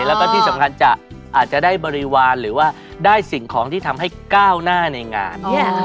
แล้วก็ที่สำคัญจะอาจจะได้บริวารหรือว่าได้สิ่งของที่ทำให้ก้าวหน้าในงาน